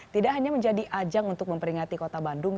tidak hanya menjadi ajang untuk memperingati kota bandung